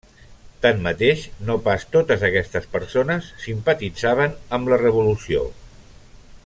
Tanmateix, no pas totes aquestes persones simpatitzaven amb la Revolució.